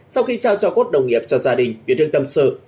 sau khi trao cho cốt đồng nghiệp cho gia đình việt hương tâm sự